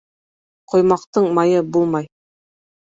Ҡоймаҡтың майы булмай.